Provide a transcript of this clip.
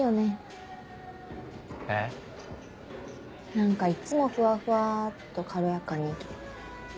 何かいっつもふわふわっと軽やかに生きてて。